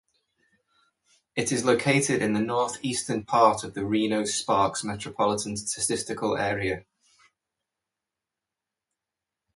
It is located in the northeastern part of the Reno-Sparks Metropolitan Statistical Area.